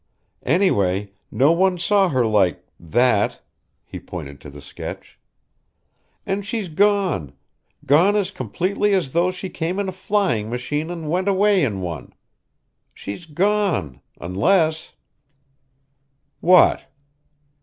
Anyway, no one saw her like that." He pointed to the sketch. "And she's gone gone as completely as though she came in a flying machine and went away in one. She's gone unless " "What?"